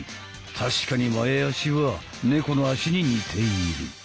確かに前足は猫の足に似ている。